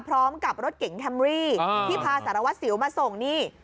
พร้อมกับรถเก๋งแคมรี่ที่พาสารวัตรสิวมาส่งนี่